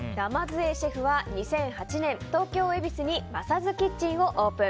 鯰江シェフは２００８年東京・恵比寿にマサズキッチンをオープン。